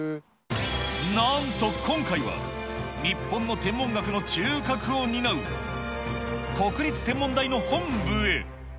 なんと今回は、日本の天文学の中核を担う、国立天文台の本部へ。